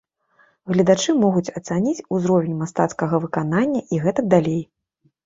Гледачы могуць ацаніць узровень мастацкага выканання і гэтак далей.